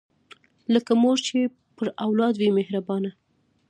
لکه مور چې پر اولاد وي مهربانه